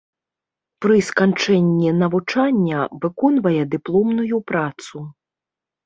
Пры сканчэнні навучання выконвае дыпломную працу.